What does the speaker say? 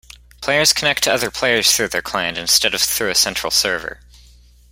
Players connect to other players through their client, instead of through a central server.